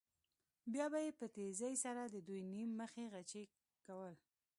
بیا به یې په تېزۍ سره د دوی نیم مخي غچي کول.